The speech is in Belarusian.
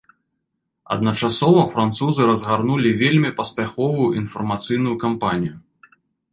Адначасова французы разгарнулі вельмі паспяховую інфармацыйную кампанію.